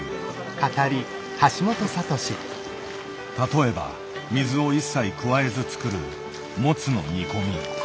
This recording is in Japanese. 例えば水を一切加えず作るモツの煮込み。